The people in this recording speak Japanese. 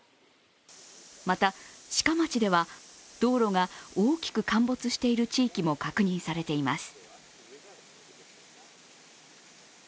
また、志賀町では道路が大きく陥没している地域も確認されています。